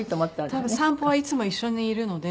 多分散歩はいつも一緒にいるので。